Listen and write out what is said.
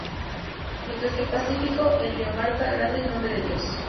Mientras que en el Pacífico el río Marta, Grande y Nombre de Dios.